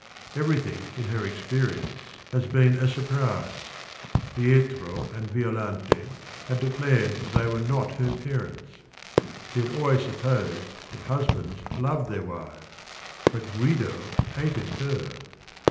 Everything in her experience has been a sur 110 THE RING AND THE BOOK prise. Pietro and Violante h ad declared that they*were not her parents. She had always sup posed that husbands loved" thei r wives7 bu t Gu ido hated her.